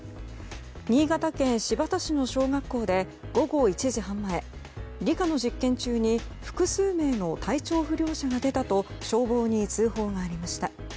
新潟県新発田市の小学校で午後１時半前理科の実験中に複数名の体調不良者が出たと消防に通報がありました。